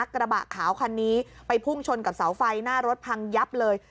กระบะขาวคันนี้ไปพุ่งชนกับเสาไฟหน้ารถพังยับเลย